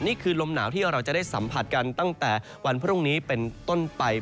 นี่คือลมหนาวที่เราจะได้สัมผัสกันตั้งแต่วันพรุ่งนี้เป็นต้นไป